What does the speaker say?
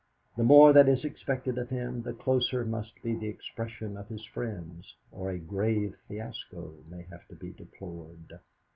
The more that is expected of him, the closer must be the expression of his friends, or a grave fiasco may have to be deplored.